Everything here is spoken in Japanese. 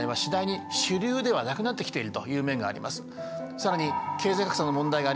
更に経済格差の問題があります。